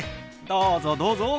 どうぞどうぞ。